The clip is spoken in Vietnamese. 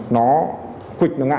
nó khuỷt nó ngã